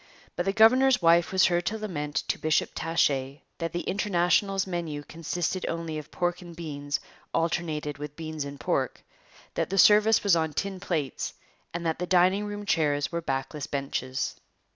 But the governor's wife was heard to lament to Bishop Taché that the International's menu consisted only of pork and beans alternated with beans and pork, that the service was on tin plates, and that the dining room chairs were backless benches.